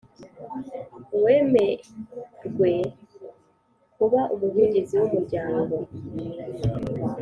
Uwemerwe kuba Umuvugizi w Umuryango